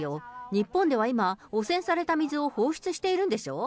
日本では今、汚染された水を放出しているんでしょ？